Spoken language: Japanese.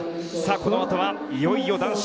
このあとはいよいよ男子。